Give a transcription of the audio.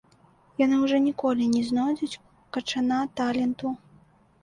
Яны ўжо ніколі не знойдуць качана таленту.